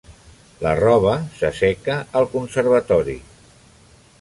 La roba s'asseca al conservatori.